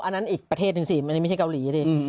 อันนั้นอีกประเทศหนึ่งสิไม่ใช่เกาหลีสิ